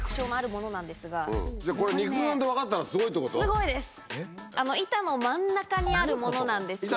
すごいです！